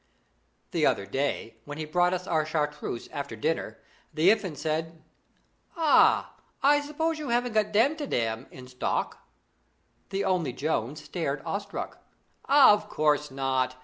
"The other day, when he brought us our Chartreuse after dinner, the Infant said: 'Ah! I suppose you haven't got Damtidam in stock?' The only Jones stared awestruck. 'Of course not!